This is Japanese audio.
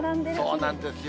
そうなんですよ。